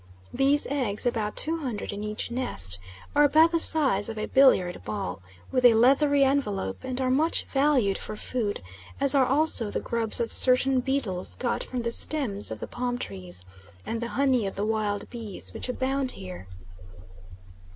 These eggs about 200 in each nest are about the size of a billiard ball, with a leathery envelope, and are much valued for food, as are also the grubs of certain beetles got from the stems of the palm trees, and the honey of the wild bees which abound here.